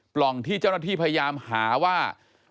กล่องที่เจ้าหน้าที่พยายามหาว่า